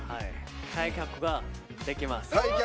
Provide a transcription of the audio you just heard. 開脚ができます。